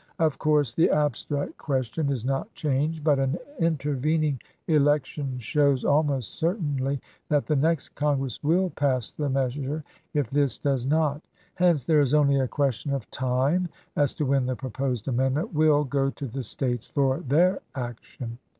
Of course the abstract question is not changed, but an intervening election shows, almost certainly, that the next Congress will pass the measure if this does not. Hence there is only a ques tion of time as to when the proposed amendment will go to the States for their action.